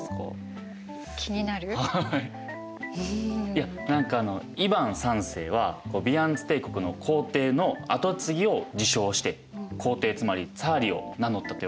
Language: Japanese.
いや何かイヴァン３世はビザンツ帝国の皇帝の後継ぎを自称して皇帝つまりツァーリを名乗ったといわれてるんですよね。